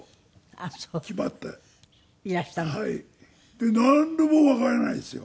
でなんにもわからないですよ。